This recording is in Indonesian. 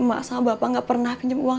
mak sama bapak nggak pernah pinjam uang